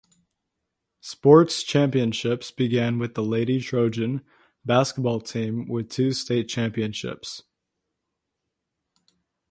Sports championships began with the Lady Trojan basketball team with two state championships.